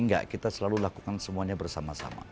enggak kita selalu lakukan semuanya bersama sama